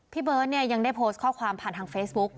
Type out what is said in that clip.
เบิร์ตเนี่ยยังได้โพสต์ข้อความผ่านทางเฟซบุ๊ก